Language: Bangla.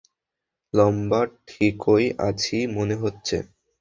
লম্বা ঠিকই আছি মনে হচ্ছে।